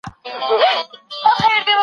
هیوادونه به په ټولنه کي عدالت تامین کړي.